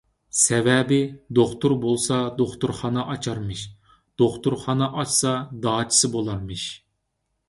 سەۋەبى، دوختۇر بولسا دوختۇرخانا ئاچارمىش، دوختۇرخانا ئاچسا داچىسى بولارمىش.